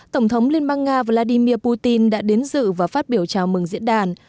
tổng thống liên bang nga vladimir putin đã đến dự và phát biểu chào mừng diễn đàn